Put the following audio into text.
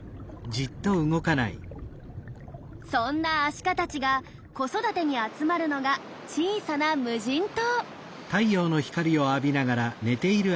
そんなアシカたちが子育てに集まるのが小さな無人島。